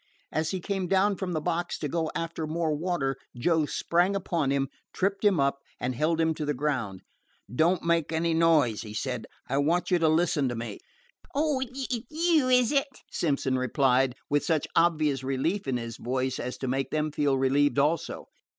As he came down from the box to go after more water, Joe sprang upon him, tripped him up, and held him to the ground. "Don't make any noise," he said. "I want you to listen to me." "Oh, it 's you, is it?" Simpson replied, with such obvious relief in his voice as to make them feel relieved also.